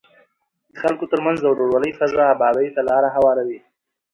د خلکو ترمنځ د ورورولۍ فضا ابادۍ ته لاره هواروي.